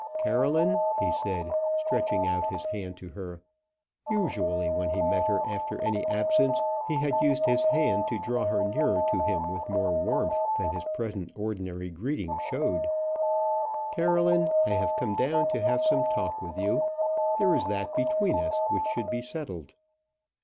"Caroline," he said, stretching out his hand to her usually when he met her after any absence he had used his hand to draw her nearer to him with more warmth than his present ordinary greeting showed "Caroline, I have come down to have some talk with you. There is that between us which should be settled."